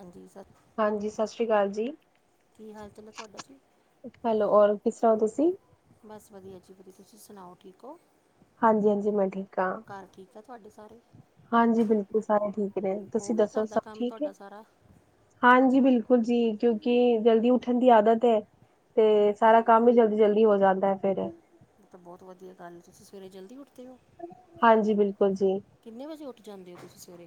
ਹਾਂਜੀ ਸਬ ਹਾਂਜੀ, ਸਤਿ ਸ਼੍ਰੀ ਅਕਾਲ ਜੀ। ਕੀ ਹਾਲ ਚਾਲ ਨੇ ਤੁਹਾਡਾ ਜੀ ਹੈਲੋ ਔਰ ਕਿਸਰਾ ਹੋ ਤੁਸੀਂ। ਬਸ ਵਧੀਆ ਜੀ ਤੁਸੀਂ ਸੁਣਾਓ ਠੀਕ ਹੋ ਹਾਂਜੀ-ਹਾਂਜੀ ਮੈਂ ਠੀਕ ਹਾਂ। ਘਰ ਠੀਕ ਆ ਤੁਹਾਡੇ ਸਾਰੇ? ਹਾਂਜੀ ਬਿਲਕੁਲ ਸਾਰੇ ਠੀਕ ਨੇ ਹੋ ਤੁਸੀਂ ਗਿਆ ਦੱਸੋ ਘਰ ਦਾ ਸਭ ਕੰਮ ਠੀਕ ਹੈ ਤੁਹਾਡਾ ਸਾਰਾ ਹਾਂਜੀ ‌, ਬਿਲਕੁਲ ਜੀ ਕਿਉਂਕਿ ਜਲਦੀ ਉੱਠਣ ਦੀ ਆਦਤ ਹੈ। ਤੇ ਸਾਰਾ ਕੰਮ ਵੀ ਜਲਦੀ-ਜਲਦੀ ਹੋ ਜਾਂਦਾ ਹੈ। ਫੇਰ ਤਾਂ ਬਹੁਤ ਵਧੀਆ ਗੱਲ ਤੁਸੀਂ ਸਵੇਰੇ ਜਲਦੀ ਉੱਠਦੇ ਹੋ। ਹਾਂਜੀ, ਬਿਲਕੁਲ ਜੀ। ਕਿੰਨੇ ਵਜੇ ਉੱਠ ਜਾਂਦੇ ਹੋ ਤੁਸੀਂ ਸਵੇਰੇ।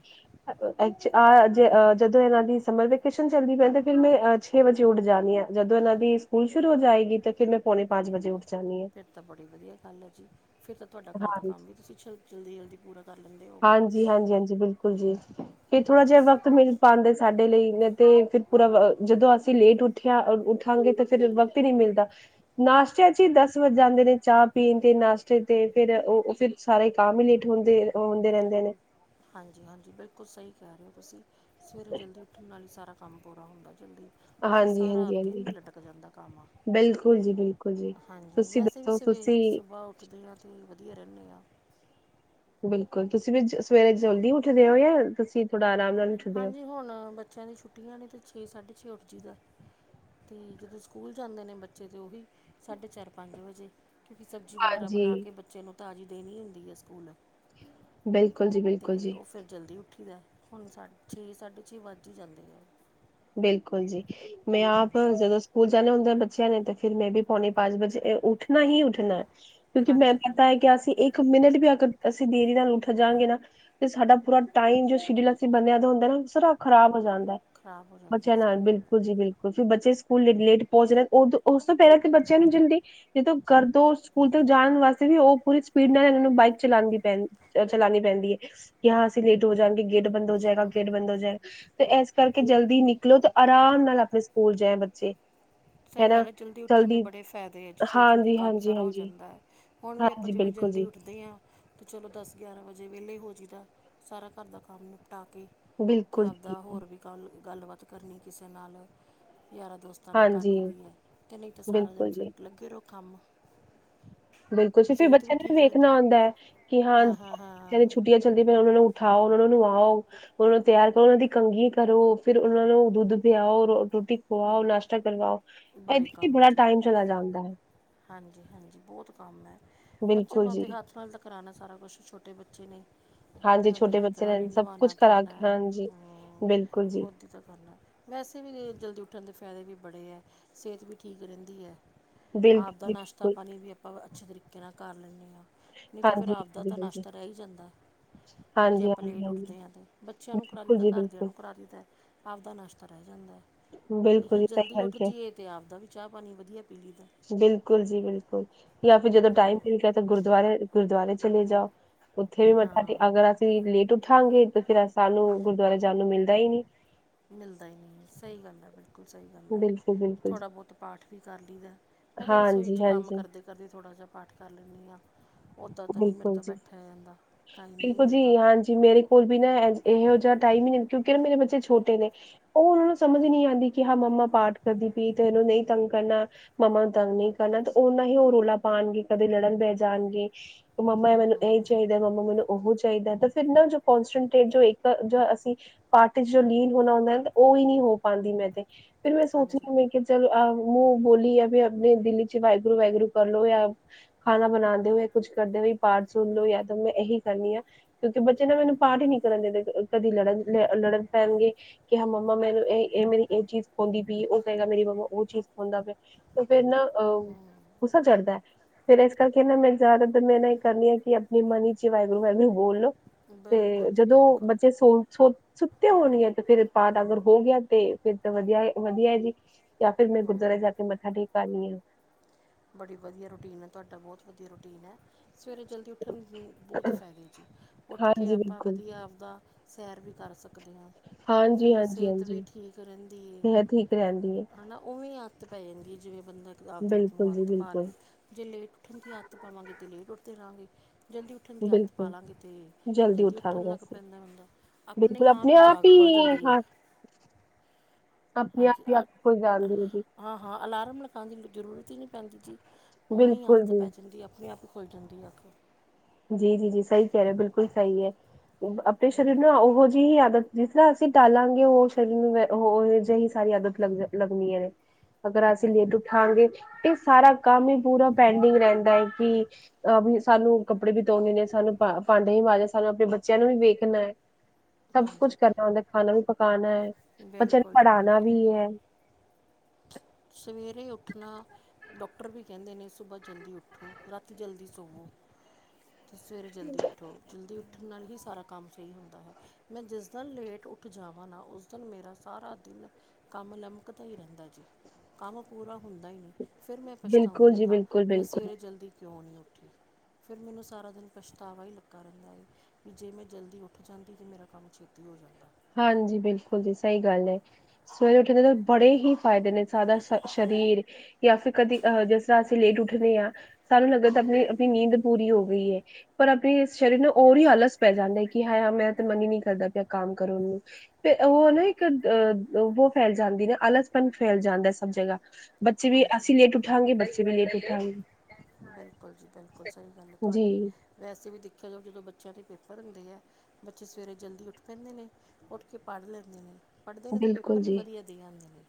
ਆ ਆ ਜਦੋਂ ਇਹਨਾਂ ਦੀ ਸਮਰ ਵੈਕੇਸ਼ਨ ਚੱਲਦੀ ਪੈਂ ਤੇ ਫਿਰ ਮੈਂ ਅਛਾੱ। ਛੇ ਵਜੇ ਉਠਜਾਂਦੀ ਹਾਂ ਜਦੋਂ ਇਹਨਾਂ ਦੀ ਸਕੂਲ ਸ਼ੁਰੂ ਹੋ ਜਾਏਗੀ ਤੇ ਫੇਰ ਮੈਂ ਪੌਣੇ ਪੰਜ ਵਜੇ ਉੱਠ ਜਾਂਦੀ ਹਾਂ। ਫੇਰ ਤਾਂ ਬੜੀ ਵਧੀਆ ਗੱਲ ਹੈ ਜੀ ਫੇਰ ਤਾਂ ਤੁਹਾਡਾ ਘਰ ਦਾ ਹਾਂਜੀ ਕੰਮ ਵੀ ਤੁਸੀਂ ਛੋ, ਜਲਦੀ-ਜਲਦੀ ਪੂਰਾ ਕਰ ਲੈਂਦੇ ਹੋਗੇ ਹਾਂਜੀ ਹਾਂਜੀ ਬਿਲਕੂਲ। ਹਾਂਜੀ, ਫਿਰ ਥੋੜਾ ਹਮ, ਜਿਹਾ ਵਕਤ ਮਿਲ ਪਾਉਂਦੇ ਸਾਡੇ ਲਈ ਤੇ ਫਿਰ ਪੂਰਾ ਜਦੋਂ ਅਸੀਂ ਲੇਟ ੳਠ ਉੱਠਿਆ ਔਰ ਉੱਠਾਂਗੇ ਤਾਂ ਫਿਰ ਵਕਤ ਹੀ ਨਹੀਂ ਮਿਲਦਾ ਨਾਸ਼ਤੇ ਚ ਹੀ ਦਸ ਵੱਜ ਜਾਂਦੇ ਨੇ ਚਾਹ ਪੀਣ ਤੇ ਨਾਸ਼ਤੇ ਚ। ਤੇ ਫਿਰ ਉਹ ਫਿਰ ਸਾਰੇ ਕਮ ਹੀ ਲੇਟ ਹੁੰਦੇ, ਹੁੰਦੇ ਰਹਿੰਦੇ ਨੇ ਹਾਂਜੀ ਹਾਂਜੀ ਬਿਲਕੁਲ ਸਹੀ ਕਹਿ ਰਹੇ ਹੋ ਤੁਸੀਂ ਸਵੇਰੇ ਜਲਦੀ ਉੱਠਣ ਨਾਲ ਹੀ ਸਾਰਾ ਕਮ ਕੰਮ ਪੂਰਾ ਹੁੰਦਾ ਜਲਦੀ। ਕਿਥੇ ਹਾਂਜੀ ਸਾਰਾ ਹਾਂਜੀ ਦਿਨ ਹਾਂਜੀ ਹੀ ਲਟਕ ਜਾਂਦਾ ਕੰਮ। ਬਿਲਕੁਲ ਜੀ ਬਿਲਕੁਲ ਜੀ ਹਾਂਜੀ ਤੁਸੀਂ ਵੈਸੇ ਅੇ ਵੀਂ ਦੱਸੋ ਸਵੇਂ ਤੁਸੀਂ ਸੁਬਾਹ ਉੱਠਦੇ ਹਾਂ ਤੇ ਵਧੀਆ ਰਹਿੰਨੇ ਹਾਂ ਬਿਲਕੁਲ ਤੁਸੀਂ ਵੀ ਸਵੇਰੇ ਜਲਦੀ ਉੱਠਦੇ ਹੋ ਤੁਸੀਂ ਥੋੜਾ ਆਰਾਮ ਨਾਲ ਉੱਠਦੇ ਹੋ ਹਾਂਜੀ, ਹੁਣ ਬੱਚਿਆਂ ਦੀ ਛੁੱਟੀਆਂ ਨੇ ਤੇ ਛੇ ਸਾਢੇ ਛੇ ਉੱਠ ਜਾਏਦਾ ਹੈ। ਅਤੇ ਜਦੋਂ ਸਕੂਲ ਜਾਂਦੇ ਨੇ ਬੱਚੇ ਤਾਂ ਉਹੀ ਸਾਢੇ ਚਾਰ ਪੰਜ ਵਜੇ ਕਿਉਂਕਿ ਸਬਜ਼ੀ ਵਗੈਰਾ ਹਾਂਜੀ ਬਣਾ ਕੇ ਬੱਚਿਆਂ ਨੂੰ ਤਾਜ਼ੀ ਦੇਣੀ ਹੁੰਦੀ ਹੈ ਸਕੂਲ, ਬਿਲਕੁ ਜੀ ਬਿਲਕਲ, ਅਤੇ ਉਹ ਫਿਰ ਜਲਦੀ ਉੱਠੀਦਾ ਹੁਣ ਸਾ ਛੇ ਸਾਢੇ ਛੇ ਵੱਜ ਹੀ ਜਾਂਦੇ ਨੇ। ਬਿਲਕੁਲ ਜੀ, ਮੈਂ ਆਪ ਜਦੋਂ ਸਕੂਲ ਜਾਣੇ ਹੁੰਦੇ ਬੱਚਿਆਂ ਨੇ, ਤੇ ਫੇਰ ਮੈਂ ਵੀ ਪੌਣੇ ਪੰਜ ਵਜੇ ਉੱਠ ਮੈਂ ਹੀ ਉੱਠਣਾ, ਕਿਉਂਕਿ ਮੈਂ ਹਾਂਜੀ ਪਤਾ ਹਾਂਜੀ ਹੈ, ਕਿ ਅਸੀਂ ਇੱਕ ਇੱਕ ਮਿੰਟ ਵੀ ਅਗਰ ਅਸੀਂ ਦੇਰੀ ਨਾਲ ਉੱਠ ਜਾਾਂਗੇ ਨਾ ਤੇ ਸਾਡਾ ਪੂਰਾ ਟਾਈਮ, ਜੋ ਸ਼ਡਲਸੀ ਬੰਦਿਆਂ ਦਾ ਹੁੰਦਾ ਨਾਂ, ਸਾਰਾ ਖਰਾਬ ਹੋ ਜਾਂਦਾ। ਖ਼ਰਾਬ ਹੋ ਜਾਂਦਾ ਬੱਚਿਆਂ ਨਾਲ ਸਹੀ ਗੱਲ ਬਿਲਕੁਲ ਹੈ ਜੀ ਬਿਲਕੁਲ ਕਿਉਕਿ ਬੱਚੇ ਸਕੂਲ ਲੇਟ ਪਹੁੰਚ ਨਾ, ਉਸ ਤੋਂ ਪਹਿਲਾਂ ਬੱਚਿਆਂ ਨੂੰ ਜਲਦੀ ਜਦੋਂ ਕਰਦੋ ਸਕੂਲ ਤੋਂ ਜਾਣ ਵਾਸਤੇ ਵੀ, ਉਹ ਪੂਰੀ ਫਿਰ ਨਾ ਇਹਨਾਂ ਨੂੰ, ਬਾਈਕ ਚਲਾਣੀ ਪੈਂਦੀ ਹੈ। ਸੀ ਲੇਟ ਹੋ ਜਾਣਗੇ, ਗੇਟ ਬੰਦ ਹੋ ਜਾਏਗਾ, ਗੇਟ ਬੰਦ ਹੋ ਜਾਏਗਾ, ਤੇ ਇਸ ਕਰਕੇ ਜਲਦੀ ਨ ਲੋ, ਤੇ ਆਰਾਮ ਨਾਲ ਆਪਣੇ ਸਕੂਲ ਜਾਏ ਬੱਚੇ। ਸਹੀ ਗੱਲ ਹੈ, ਜਲਦੀ ਉੱਠਣ ਦੇ ਬੜੇ ਫ਼ਾਇਦੇ ਹੈ‌, ਜਲਦੀ ਜਲਦੀ ਹਾਂਜੀ ਕੰਮ ਹਾਂਜੀ ਸਾਰਾ ਹੋ ਹਾਂਜੀ ਜਾਂਦਾ ਹੈ ਹੁਣ ਵੀ ਆਪਾਂ ਹਾਂਜੀ ਜਿਵੇਂ ਬਿਲਕੁਲ ਜਲਦੀ ਜੀ ਉੱਠਦੇ ਹਾਂ। ਤੇ ਚਲੋ ਦਸ ਗਿਆਰਾਂ ਵਜੇ ਵਿਹਲੇ ਹੋ ਜਾਈਦਾ, ਸਾਰਾ ਘਰ ਦਾ ਕੰਮ ਨਿਪਟਾ ਕੇ ਤੇ ਬਿਲਕੁਲ ਜੀ ਆਪਦਾ ਹੋਰ ਵੀ ਗੱਲ ਗੱਲਬਾਤ ਕਰਨੀ ਕਿਸ਼ੇ ਨਾਲ, ਯਾਰਾਂ ਦੋਸਤਾਂ ਨਾਲ। ਹਾਂਜੀ ਕਰਲੀ ਦੀ ਐ, ਤੇ ਨਹੀਂ ਤੇ ਸਾਰਾ ਦਿਨ ਬਿਲਕੁਲ ਫਿਰ ਜੀ ਲੱਗੇ ਰਹੋ ਕੰਮ ਬਿਲਕੁਲ ਜੀ, ਫਿਰ ਸਿਹਤ ਬੱਚਿਆਂ ਨੂੰ ਵੀ ਠੀਕ ਰਹਿੰਦੀ ਵੇਖਣਾ ਆਉਂਦਾ ਹੈ, ਕਿ ਹਾਂ ਹਾਂਜੀ ਹਾਂ ਬੱਚਿਆਂ ਨੂੰ ਹਾਂ ਛੁੱਟੀਆਂ ਚ ਚਲਦੀ ਫੇਰ ਉਹਨਾ ਨੂੰ ਉਠਾਓ, ਉਹਨਾਂ ਨੂੰ ਨਵਾਉ ਉਹਨਾਂ ਨੂੰ ਤਿਆਰ ਕਰੋ, ਉਹਦੀ ਕੰਘੀ ਕਰੋ, ਫਿਰ ਉਹਨਾਂ ਨੂੰ ਦੁੱਧ ਪਿਆਓ, ਰੋਟੀ ਖਵਾਓ ਨਾਸ਼ਤਾ ਕਰਵਾਓ। ਬੜੇ ਇਹਦੇ ਈ ਕੰਮ ਹੈ ਬੜਾ ਜੀ ਟਾਈਮ ਚਲਾ ਜਾਂਦਾ ਹੈ। ਹਾਂਜੀ ਹਾਂਜੀ, ਬਹੁਤ ਕੰਮ ਹੈ, ਬੱਚਿਆਂ ਬਿਲਕੁਲ ਨੂੰ ਜੀ ਆਪਦੇ ਹੱਥ ਨਾਲ ਕਰਾਉਣਾ' ਸਾਰਾ ਕੁਛ, ਛੋਟੇ ਬੱਚੇ ਨੇ, ਹਾਂਜੀ ਤੇ ਆਪਦੇ ਛੋਟੇ ਹੱਥ ਬੱਚੇ ਨਾਲ ਨੇ ਹੀ ਸਭ ਕੁਛ ਨਵਾਉਣਾ ਕਰਾ ਧਵਾਉਣਾ, ਕੇ ਹਾਂਜੀ ਹੂ ਬਿਲਕੁਲ ਜੀ ਖ਼ੁਦ। ਤਾਂ ਕਰਨਾ, ਵੈਸੇ ਵੀ ਜਲਦੀ ਉੱਠਣ ਦੇ ਫਾਇਦੇ ਵੀ ਬੜੇ ਹੈ, ਸਿਹਤ ਵੀ ਠੀਕ ਰਹਿੰਦੀ ਹੈ ਆਪ ਬਿਲਕੁਲ ਦਾ ਜੀ ਨਾਸ਼ਤਾ ਬਿਲਕੁਲ ਪਾਣੀ ਵੀ ਆਪਾਂ, ਅੱਛੇ ਤਰੀਕੇ ਨਾਲ ਕਰ ਲੈਂਨੇ ਆਂ। ਨਹੀਂ ਤੇ, ਫਿਰ ਹਾਂਜੀ ਆਪਦਾ ਤਾਂ ਹਾਂਜੀ ਨਾਸ਼ਤਾ ਰਹਿ ਹੀ ਜਾਂਦਾ। ਜੇ ਹਾਂਜੀ ਹਾਂਜੀ ਆਪਾਂ ਹਾਂਜੀ ਲੇਟ ਹਾਂਜੀ ਉੱਠਦੇ ਆਂ ਤੇ, ਬੱਚਿਆਂ ਨੂੰ ਕਰਾਦੀ ਬਿਲਕੁਲ ਦਾ, ਜੀ ਘਰਦਿਆਂ ਬਿਲਕੁਲ ਨੂੰ ਕਰਾਦੀ ਦਾ ਆਪਦਾ ਨਾਸ਼ਤਾ ਰਹਿ ਜਾਂਦਾ, ਬਿਲਕੁਲ ਇਹੀ ਜੀ ਸਹੀ ਜਲਦੀ ਗੱਲ ਉੱਠ ਕਿਹਾ ਜਾਈਏ ਤੇ ਆਪਦਾ ਵੀ ਚਾਹ ਪਾਣੀ ਵਧੀਆ ਪੀ ਲੀ ਦਾ ਐ। ਬਿਲਕੁਲ ਜੀ ਬਿਲਕੁਲ, ਲੈ ਫਿਰ ਜਦੋਂ ਟਾਈਮ ਲਈਦਾ ਮਿਲ ਗਿਆ, ਤਾਂ ਗੁਰਦੁਆਰੇ ਗੁਰੂਦੁਆਰੇ ਚਲੇਂ ਜਾਓ, ਉੱਥੇ ਵੀ ਮੱਥਾ, ਅਗਰ ਹਾਂ ਅਸੀਂ ਲੇਟ ਉੱਠਾਂਗੇ, ਤਾਂ ਫਿਰ ਸਾਨੂੰ ਗੁਰਦੁਆਰੇ ਜਾਣ ਨੂੰ ਮਿਲਦਾ ਹੀ ਨਹੀਂ। ਮਿਲਦਾ ਹੀ ਨਹੀਂ ਹੈ, ਸਹੀ ਗੱਲ ਹੈ, ਬਿਲਕੁਲ ਸਹੀ ਗੱਲ ਹੈ, ਬਿਲਕੁਲ-ਬਿਲਕੁਲ ਜੀ, ਥੋੜ੍ਹਾ ਬਹੁਤ ਪਾਠ ਵੀ ਕਰ ਲਈ ਦਾ ਐ। ਮੈਂ ਤਾਂ ਰਸੋਈ 'ਚ ਕੰਮ ਹਾਂਜੀ-ਹਾਂਜੀ, ਕਰਦੇ ਕਰਦੇ ਵੀ ਥੋੜ੍ਹਾ ਜਿਹਾ ਪਾਠ ਕਰ ਲੈਂਦੀ ਆਂ। ਉੱਦਾਂ ਤਾਂ ਨਹੀਂ ਮੇਰੇ ਬਿਲਕੁਲ ਤੋਂ ਜੀ। ਬੈਠਿਆ ਜਾਂਦਾ, ਟਾਈਮ ਹੀ ਨਹੀਂ ਬਿਲਕੁਲ ਜੀ, ਮਿਲਦਾ ਹਾਂਜੀ ਮੇਰੇ ਕੋਲ ਵੀ ਨਾ ਇਹੋ ਜਿਹਾ ਟਾਈਮ ਈ ਨੀ, ਕਿਉਂਕਿ ਨਾ, ਮੇਰੇ ਬੱਚੇ ਛੋਟੇ ਨੇਂ ਉਹ ਉਹਨਾ ਨੂੰ ਸਮਝ ਨਹੀਂ ਆਉਂਦੀ, ਕਿ ਹਾਂ ਮੰਮਾ ਪਾਠ ਕਰਦੀ ਪੀ, ਤੇ ਇਹਨਾ ਨੂੰ ਨਹੀਂ ਤੰਗ ਕਰਨਾ। ਮਮਾਂ ਨੂੰ ਤੰਗ ਨਹੀਂ ਕਰਨਾ, ਤੇ ਉਹਨਾ ਹੀ ਉਹ ਰੌਲਾ ਪਾਉਣਗੇ, ਕਦੇ ਲੜਨ ਬੈ ਜਾਣਗੇ। ਮੰਮਾ ਹਮ ਮੈਨੂੰ ਇਹ ਹੀ ਚਾਹੀਦਾ ਹੈਂ, ਮੰਮਾ ਮੈਨੂੰ ਉਹ ਚਾਹੀਂਦਾ, ਤਾਂ ਫਿਰ ਨਾ ਕੋਨਸਨਟ੍ਰੇਟ, ਜੋ ਅਸੀਂ ਪਾਠ ਇਚ, ਜੋ ਲੀਨ ਹੋਣਾ ਹੁੰਦਾ ਔ ਉਹੀ ਨਹੀਂ ਹੋ ਪਾਉਂਦੀ ਮੈਂ ਤੇ, ਫਿਰ ਮੈਂ ਹਾਂਜੀ ਸੋਚਣੀ, ਮੈਂ ਕਿਹਾ ਚੱਲ ਮੁੰਹੋਂ ਬੋਲੀ ਏ, ਆਪਣੇ ਦਿਲ ਚ ਵਾਹਿਗੁਰੂ ਵਾਹਿਗੁਰੂ ਕਰ ਲਓ, ਯਾ ਖਾਣਾ ਬਣਾਉਂਦੇ ਹੋਏ, ਕੁੱਝ ਕਰਦੇ ਹੋਏ, ਪਾਠ ਸੁਣ ਲੋ ਯਾ ਤਾਂ ਮੈਂ ਇਹੀ ਕਰਨੀ ਆ ਕਿਉਂਕਿ ਬੱਚੇ ਨਾ ਮੈਨੂੰ ਪਾਠ ਹੀ ਨਹੀਂ ਕਰਨ ਦੇਦੇ, ਕਦੀ ਲੜਨ ਲ ਲੜਨ ਪੈਣਗੇ ਕਿ ਹਾਂ ਮੰਮਾ ਮੈਨੂੰ ਇਹ ਇਹ ਮੇਰੀ ਇਹ ਚੀਜ਼ ਖੋਦੀ ਪਈ ਏ, ਉਹ ਕਹੇਗਾ ਮੇਰੀ ਮੰਮਾ ਉਹ ਚੀਜ਼ ਖੋਦਾ ਪਿਆ ਤੇ ਫੇਰ ਨਾ ਅਹ ਗੁੱਸਾ ਚੜ੍ਹਦਾ, ਫੇਰ ਇਸ ਕਰਕੇ ਨਾ ਮੈਂ ਜ਼ਿਆਦਾ ਤਾਂ ਮੈਂ ਨਾ ਏ ਕਰਨੀ ਆਂ, ਕਿ ਆਪਣੀ ਮਨ ਇਚ ਈ ਵਾਹਿਗੁਰੂ ਵਾਹਿਗੁਰੂ ਬੋਲ ਲੋ। ਤੇ ਬਿਲਕੁਲ ਜੀ ਜਦੋਂ ਬਿਲਕੁਲ ਬੱਚੇ ਸੋਣ ਸੋ, ਸੁੱਤੇ ਹੋਣਗੇ, ਤੇ ਫੇਰ ਪਾਠ ਅਗਰ ਹੋ ਗਿਆ, ਤੇ ਫੇਰ ਤੇ ਵਧੀਆ ਵਧੀਆ ਹੈ ਜੀ ਜਾਂ ਫਿਰ ਮੈਂ ਹਮ ਗੁਰਦੁਆਰਾ ਜਾ ਕੇ ਮੱਥਾ ਟੇਕ ਆ ਆਨੀ ਆਂ ਬੜੀ ਵਧੀਆ ਰੂਟੀਨ ਹੈ, ਤੁਹਾਡਾ ਬਹੁਤ ਵਧੀਆ ਰੂਟੀਨ ਹੈ ਸਵੇਰੇ ਜਲਦੀ ਉੱਠਣ ਦੇ, ਬਹੁਤ ਫ਼ਾਇਦੇ ਜੀ, ਉੱਠ ਕੇ ਹਾਂਜੀ ਆਪਾਂ ਬਿਲਕੁਲ ਵਧੀਆ ਆਪਦਾ। ਸੈਰ ਵੀ ਕਰ ਸਕਦੇ ਹਾਂ ਹਾਂਜੀ ਫਿਰ ਹਾਂਜੀ ਸਿਹਤ ਵੀ ਹਾਂਜੀ ਠੀਕ ਰਹਿੰਦੀ ਸਿਹਤ ਠੀਕ ਰਹਿੰਦੀ ਹੈ ਹੈਨਾ ਉਵੇਂ ਆਂ। ਆਦਤਾਂ ਪੈ ਜਾਂਦੀ ਹੈ ਜਿਵੇਂ ਬੰਦਾ ਕਿਤਾਬ ਦੇ ਆਪ ਨੂੰ ਬਿਲਕੁਲ ਜੀ ਹੱਥ ਪਾ ਬਿਲਕੁਲ ਲਈਦਾ। ਜੇ ਲੇਟ ਉੱਠਣ ਦੀ ਆਦਤ ਪਾਵਾਂਗੇ ਤਾਂ ਲੇਟ ਉਠਦੇ ਰਹਾਂਗੇ ਜਲਦੀ ਉੱਠਣ ਦੀ ਆਦਤ ਪਾ ਬਿਲਕੁਲ ਲਾਂਗੇ ਤੇ ਜਲਦੀ ਉਠਣ ਉਠਾਂਗੇ ਲੱਗ ਅਸੀਂ ਪੈਂਦਾ ਹੁੰਦਾ ਆਪਣੇ ਆਪ ਹੀ ਜਾਗ ਖੁੱਲ੍ਹ ਜਾਂਦੀ ਹੈ। ਆਪਣੀ ਆਹੋ ਜਾਣਦੀ ਹੈ ਜੀ ਤੁਸੀਂ ਹਾਂ-ਹਾਂ ਅਲਾਰਮ ਲਗਾਉਣ ਦੀ ਜ਼ਰੂਰਤ ਹੀ ਨਹੀਂ ਪੈਂਦੀ ਜੀ ਉਵੇਂ ਹੀ ਬਿਲਕੁਲ ਆਦਤ ਜੀ ਪੈ ਜਾਂਦੀ ਆਪਣੇ ਆਪ ਖੁੱਲ੍ਹ ਜਾਂਦੀ ਅੱਖ ਜੀ-ਜੀ-ਜੀ ਸਹੀ ਕਹਿ ਰਹੇ ਬਿਲਕੁਲ ਸਹੀ ਹੈ ਆਪਣੇ ਸਰੀਰ ਹਾਂਜੀ ਨੂੰ ਉਹੋ ਜਿਹੀ ਹੀ ਆਦਤ ਜਿਸ ਤਰ੍ਹਾਂ ਅਸੀਂ ਟਾਲਾਂਗੇ ਉਹ ਸਰੀਰ ਨੂੰ ਉਹ ਜਿਹੀ ਸਾਰੀ ਆਦਤ ਲੱਗ ਲੱਗਣੀ ਐ। ਅਗਰ ਅਸੀਂ ਹਮ, ਲੇਟ ਉਠਾਂਗੇ ਇਹ ਸਾਰਾ ਕੰਮ ਹੀ ਪੂਰਾ ਪੈਂਡਿੰਗ ਰਹਿੰਦਾ ਹੈ ਕਿ ਅਹ ਵੀ ਸਾਨੂੰ ਕੱਪੜੇ ਵੀ ਧੋਣੇ ਨੇ ਸਾਨੂੰ ਭਾਂਡੇ ਵੀ ਮਾਜ਼ਨੇ ਸਾਨੂੰ ਆਪਣੇ ਬੱਚਿਆਂ ਨੂੰ ਵੀ ਵੇਖਣਾ। ਸਭ ਹਾਂਜੀ ਕੁਛ ਕਰਨਾ ਹੁੰਦਾ ਖਾਣਾ ਵੀ ਪਕਾਣਾ ਹੈ ਬੱਚਿਆਂ ਬਿਲਕੁਲ ਨੂੰ ਜੀ ਪੜ੍ਹਾਣਾ ਬਿਲਕੁਲ ਵੀ ਹੈ। ਸਵੇਰੇ ਉਠਣਾ ਡਾਕਟਰ ਵੀ ਕਹਿੰਦੇ ਨੇ ਸੁਬਾਹ ਜ਼ਲਦੀ ਉਠੋ ਰਾਤੀ ਜ਼ਲਦੀ ਸੋਵੋ। ਅਤੇ ਸਵੇਰੇ ਜਲਦੀ ਉਠੋ ਜਲਦੀ ਉਠਣ ਨਾਲ ਹੀ ਸਾਰਾ ਕੰਮ ਸਹੀ ਹੁੰਦਾ ਹੈ ਮੈਂ ਜਿਸ ਦਿਨ ਲੇਟ ਉਠ ਉਠ ਜਾਵਾਂ ਨਾ ਉਸ ਦਿਨ ਮੇਰਾ ਸਾਰਾ ਦਿਨ ਕੰਮ ਲਮਕਦਾ ਹੀ ਰਹਿੰਦਾ ਜੇ। ਕੰਮ ਪੂਰਾ ਹੁੰਦਾ ਹੀ ਨਹੀਂ ਫਿਰ ਮੈਂ ਬਿਲਕੁਲ ਪਛਤਾਉਂਦੀ ਜੀ ਹਾਂ ਬਿਲਕੁਲ ਮੈਂ ਬਿਲਕੁਲ ਸਵੇਰੇ ਜ਼ਲਦੀ ਕਿਉਂ ਨਹੀਂ ਉੱਠੀ। ਫਿਰ ਮੈਨੂੰ ਸਾਰਾ ਦਿਨ ਪਛਤਾਵਾ ਹੀ ਲੱਗਾ ਰਹਿੰਦਾ ਏ। ਜੇ ਮੈਂ ਜਲਦੀ ਉਠ ਜਾਂਦੀ ਤਾਂ ਮੇਰਾ ਕੰਮ ਛੇਤੀ ਹੋ ਜਾਂਦਾ। ਹਾਂਜੀ ਬਿਲਕੁਲ ਜੀ ਸਹੀ ਗੱਲ ਏ। ਸਵੇਰੇ ਉਠਣ ਦੇ ਤਾਂ ਬੜੇ ਹੀ ਫਾਇਦੇ ਨੇ ਸਾਡਾ ਸ ਸਰੀਰ ਜਾਂ ਫਿਰ ਕਦੀ ਅਹ ਜਿਸ ਤਰ੍ਹਾਂ ਅਸੀਂ ਲੇਟ ਉਠਦੇ ਹਾਂ ਸਾਨੂੰ ਲੱਗਦਾ ਆਪਣੀ ਨੀਂਦ ਪੂਰੀ ਹੋ ਗਈ ਹੈ। ਪਰ ਆਪਣੇ ਸਰੀਰ ਨਾਲ ਔਰ ਹੀ ਆਲਸ ਪੈ ਜਾਂਦਾ ਹੈ ਕਿ ਹ ਮੈਂ ਤਾਂ ਮਨ ਹੀ ਕਰਦਾ ਪਿਆ ਕੰਮ ਕਰਨ ਨੂੰ ਤੇ ਉਹ ਨਾ ਇੱਕ ਅਹ ਉਹ ਫੈਲ ਜਾਂਦੀ ਨਾ ਆਲਸ ਪਨ ਫੈਲ ਜਾਂਦਾ ਸਭ ਜਗ੍ਹਾ ਬੱਚੇ ਵੀ ਹਾਂਜੀ ਅਸੀਂ ਲੇਟ ਉਠਾਂਗੇ ਬੱਚੇ ਵੀ ਲੇਟ ਉਠਾਂਗ ਬਿਲਕੁਲ ਜੀ ਬਿਲਕੁਲ ਸਹੀ ਗੱਲ ਏ ਤੁਹਾਡੀ ਜੀ ਵੈਸੇ ਵੀ ਦੇਖਿਆ ਜਾਵੇ ਜਦੋਂ ਬੱਚਿਆਂ ਦੇ ਪੇਪਰ ਹੁੰਦੇ ਹੈ। ਬੱਚੇ ਸਵੇਰੇ ਜਲਦੀ ਉਠ ਪੈਂਦੇ ਨੇ ਉਠ ਕੇ ਪੜ੍ਹ ਲੈਂਦੇ ਨੇ। ਪੜ੍ਹਦੇ ਨੇ ਅਤੇ ਬਿਲਕੁਲ ਪੇਪਰ ਵੀ ਜੀ ਵਧੀਆਂ ਦੇ ਆਂਦੇ ਨੇ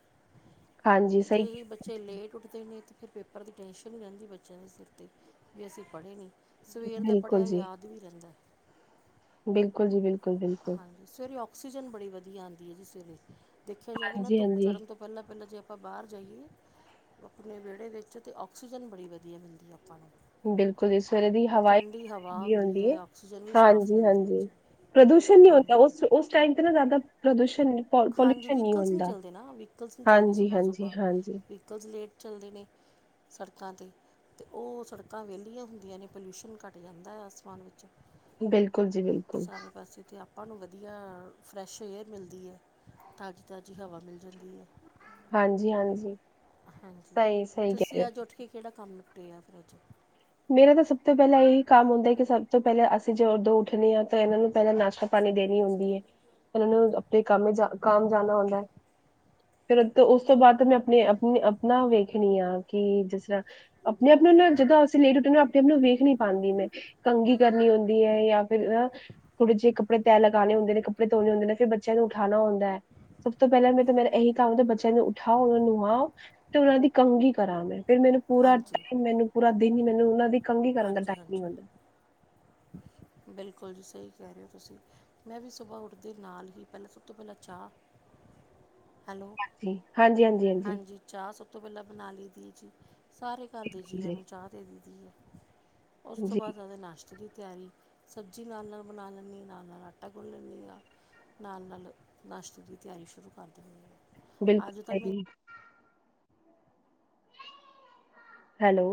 ਹਾਂਜੀ ਜੇ ਸਹੀ ਇਹ ਬੱਚ ਜੇ ਲੇਟ ਉਠਦੇ ਨੇ ਤਾਂ ਫਿਰ ਪੇਪਰ ਦੀ ਟੈਂਸ਼ਨ ਹੀ ਰਹਿੰਦੀ ਬੱਚਿਆਂ ਦੇ ਸਿਰ ਤੇ ਵੀ ਅਸੀਂ ਪੜ੍ਹੇ ਨਹੀਂ। ਸਵੇਰੇ ਦਾ ਬਿਲਕੁਲ ਪੜ੍ਹਿਆ ਜੀ ਯਾਦ ਵੀ ਰਹਿੰਦਾ। ਬਿਲਕੁਲ ਜੀ ਬਿਲਕੁਲ-ਬਿਲਕੁਲ ਹਾਂਜੀ ਸਵੇਰੇ ਆਕਸੀਜਨ ਬੜੀ ਵਧੀਆ ਆਂਦੀ ਹੈ ਜੀ ਸਵੇਰੇ ਦੇਖਿਆ ਜਾਵੇ ਨਾ ਧੁੱਪ ਹਾਂਜੀ-ਹਾਂਜੀ ਚੜਨ ਤੋਂ ਪਹਿਲਾਂ-ਪਹਿਲਾਂ ਜੇ ਆਪਾਂ ਬਾਹਰ ਜਾਈਏ ਆਪਣੇ ਵਿਹੜੇ ਵਿੱਚ ਤਾਂ ਆਕਸੀਜਨ ਬੜੀ ਵਧੀ ਧੀਆ ਮਿਲਦੀ ਆਪਾਂ ਨੂੰ ਬਿਲਕੁਲ ਜੀ ਸਵੇਰੇ ਦੀ ਹਵਾ ਠੰਡੀ ਹਵਾ ਹੁੰਦੀ ਹੈ ਏ। ਆਕਸੀਜਨ ਵੀ ਸਾਫ਼ ਮਿਲਦੀ ਹੈ ਹਾਂਜੀ-ਹਾਂਜੀ ਜੀ ਪ੍ਰਦੂਸ਼ਣ ਨਹੀਂ ਹੁੰਦਾ ਹਾਂਜੀ ਉਸ ਟਾਈਮ ਤੇ ਨਾ ਜ਼ਿਆਦਾ ਪ੍ਰਦੂਸ਼ਣ ਪੋਲੂਸਣ ਨਹੀਂ ਹੁੰਦਾ। ਤੁਸੀਂ ਜਲਦੀ ਸੁਬਾਹ-ਸੁਬਾਹ ਹਾਂਜੀ-ਹਾਂਜੀ-ਹਾਂਜੀ ਤੇ ਕੁਝ ਲੇਟ ਚੱਲਦੇ ਨੇ ਸੜਕਾਂ ਤੇ ਤੇ ਉਹ ਸੜਕਾਂ ਵਿਹਲੀਆਂ ਹੁੰਦੀਆਂ ਨੇ ਪੋਲਿਊਸ਼ਨ ਘੱਟ ਜਾਂਦਾ ਹੈ ਆਸਮਾਨ ਵਿੱਚ ਬਿਲਕੁਲ ਜੀ ਬਿਲਕੁਲ ਸਾਰੇ ਪਾਸੇ ਤੇ ਆਪ ਆਪਾਂ ਨੂੰ ਵਧੀਆ ਫਰੈਸ਼ ਏਅਰ ਮਿਲਦੀ ਹੈ ਤਾਜ਼ੀ-ਤਾਜ਼ੀ ਹਵਾ ਮਿਲ ਜਾਂਦੀ ਹੈ। ਹਾਂਜੀ-ਹਾਂਜੀ ਸਹੀ-ਸਹੀ ਕਹਿ ਰਹੇ ਹੋ। ਕਿ ਕਿਹੜਾ ਕੰਮ ਨੁੱਟੇ ਆ ਫਿਰ ਅਜ ਮੇਰਾ ਨਾ ਸਭ ਤੋਂ ਪਹਿਲਾਂ ਇਹੀ ਕੰਮ ਹੁੰਦਾ ਕਿ ਸਭ ਤੋਂ ਪਹਿਲਾਂ ਅਸੀਂ ਜੇ ਉਦੋਂ ਉਠਣੇ ਆ ਤਾਂ ਇਹਨਾਂ ਨੂੰ ਪਹਿਲਾਂ ਨਾਸ਼ਤਾ ਪਾਣੀ ਦੇਣੀ ਹੁੰਦੀ ਹੈ ਉਹਨਾਂ ਨੂੰ ਆਪਣੇ ਕੰਮ ਕਾਮ ਜਾਣਾ ਹੁੰਦਾ। ਫਿਰ ਉਸ ਤੋਂ ਬਾਅਦ ਮੈਂ ਆਪਣੇ ਆਪਣੀ ਅਪ ਨਾ ਵੇਖਣੀ ਆ ਕਿ ਜਿਸ ਤਰਾਂ ਆਪਣੇ ਆਪਣੇ ਨਾ ਜਿਦਾਂ ਲੇਟ ਉਠੋ ਨਾ ਆਪਣੇ ਆਪ ਨੂੰ ਵੇਖ ਨਹੀਂ ਪਾਂਦੀ ਮੈਂ ਕੰਘੀ ਕਰਨੀ ਹੁੰਦੀ ਹੈ ਜਾਂ ਫਿਰ ਨਾ ਥੋੜੇ ਜੇ ਕੱਪੜੇ ਤੈ ਲਗਾਣੇ ਹੁੰਦੇ ਨੇ ਕੱਪੜੇ ਧੋਣੇ ਹੁੰਦੇ ਨੇ ਫਿਰ ਬੱਚਿਆਂ ਨੂੰ ਉਠਾਉਣਾ ਹੁੰਦਾ। ਸਭ ਤੋਂ ਪਹਿਲਾਂ ਮੈਂ ਤਾਂ ਮੇਰਾ ਇਹੀ ਕੰਮ ਬੱਚਿਆਂ ਨੂੰ ਉਠਾਓ ਉਹ ਨੂੰ ਨਆਓ। ਤੇ ਉਹਨਾਂ ਦੀ ਕੰਗੀ ਕਰਾਂ ਮੈਂ ਫਿਰ ਮੇਨੂੰ ਪੂਰਾ ਹਾਂਜੀ ਟਾਈਮ ਮੈਨੂੰ ਪੂਰਾ ਦਿਨ ਹੀ ਮੈਨੂੰ ਉਹ ਦੀ ਕੰਘੀ ਕਰਨ ਦਾ ਹਾਂਜੀ ਟਾਈਮ ਨਹੀਂ ਹਾਂਜੀ ਮਿਲਦਾ। ਬਿਲਕੁਲ ਸਈ ਕਹਿ ਰਏ ਓ ਤੁਸੀ। ਮੈਂ ਵੀ ਸੁਬਾਹ ਉੱਠਦੀ ਨਾਲ ਹੀ ਪਹਿਲਾਂ ਸਭ ਤੋਂ ਪਹਿਲਾਂ ਚਾਹ, ਹੈਲੋ। ਹਾਂਜੀ, ਹਾਂਜੀ, ਹਾਂਜੀ। ਚਾਹ ਸਭ ਤੋਂ ਪੈਲਾਂ ਬਣਾ ਲਈ ਦੀ ਏ ਜੀ, ਸਾਰੇ ਘਰ ਦੇ ਜੀਆਂ ਜੀ ਨੂੰ ਚਾਹ ਦੇ ਦੀ ੲੈ। ਉਸ ਤੋਂ ਜੀ ਬਾਅਦ ਉਹਦੇ ਨਾਸ਼ ਦੀ ਤਿਆਰੀ ਸਬਜ਼ੀ ਨਾਲ ਨਾਲ ਬਣਾ ਲੈਂਨੀ ਆਂ ਨਾਲ ਨਾਲ ਆਟਾ ਗੁਨ ਲੈਂਨੀ ਆਂ। ਨਾਲ-ਨਾਲ ਨਾਸ਼ਤੇ ਦੀ ਤਿਆਰੀ ਸ਼ੁਰੂ ਕਰ ਦਿਨੀ ਆਂ। ਬਿਲਕੁਲ ਸਹੀ। ਹੈਲੋ।